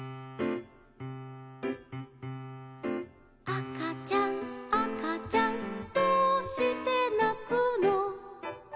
「あかちゃんあかちゃんどうしてなくの」